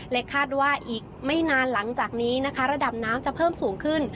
คาดว่าอีกไม่นานหลังจากนี้นะคะระดับน้ำจะเพิ่มสูงขึ้น